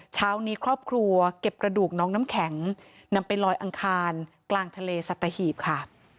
เช้านี้ครอบครัวเก็บกระดูกน้องน้ำแข็งนำไปลอยอังคารกลางทะเลสัตหีบค่ะ